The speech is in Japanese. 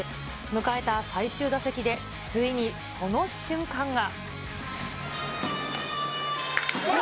迎えた最終打席で、ついにその瞬間が。